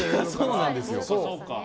そうなんですよ。